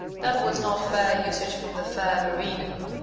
That was not fair usage from the fair Verena.